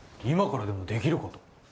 今からでもできること？